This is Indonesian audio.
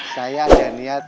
saya ada niat